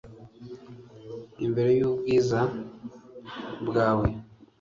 imbere y'ubwiza bwawe